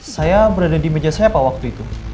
saya berada di meja saya pak waktu itu